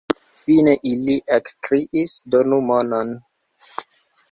Fine ili ekkriis: donu monon!